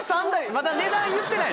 まだ値段言ってない。